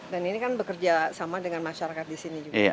dan ini kan bekerja sama dengan masyarakat di sini juga ya